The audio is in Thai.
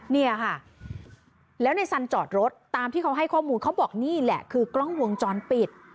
เนี่ยค่ะแล้วในสันจอดรถตามที่เขาให้ข้อมูลเขาบอกนี่แหละคือกล้องวงจรปิด